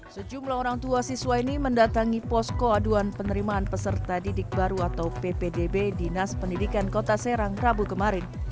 sejumlah orang tua siswa ini mendatangi posko aduan penerimaan peserta didik baru atau ppdb dinas pendidikan kota serang rabu kemarin